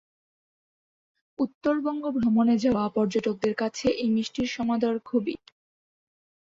উত্তরবঙ্গ ভ্রমণে যাওয়া পর্যটকের কাছে এই মিষ্টির সমাদর খুবই।